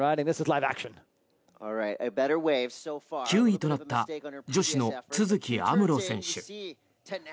９位となった女子の都筑有夢路選手。